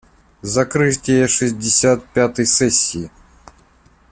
Закрытие шестьдесят пятой сессии.